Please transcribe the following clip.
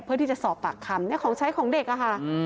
เพื่อที่จะสอบปากคำของใช้ของเด็กอะค่ะ